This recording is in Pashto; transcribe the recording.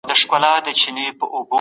په هر کار کي به د اعتدال لاره نیسئ.